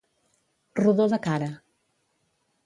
Rodó de cara.